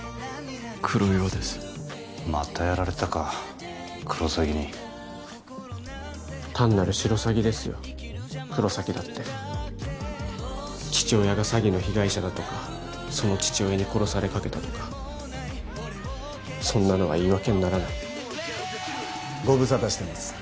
黒岩ですまたやられたかクロサギに単なるシロサギですよ黒崎だって父親が詐欺の被害者だとかその父親に殺されかけたとかそんなのは言い訳にならないご無沙汰してます